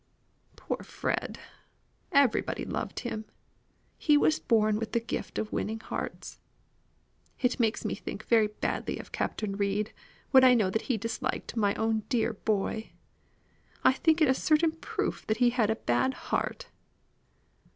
Poor Fred! Everybody loved him. He was born with the gift of winning hearts. It makes me think very badly of Captain Reid when I know that he disliked my own dear boy. I think it a certain proof he had a bad heart.